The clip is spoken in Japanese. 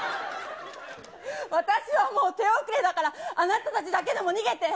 私はもう手遅れだから、あなたたちだけでも逃げて。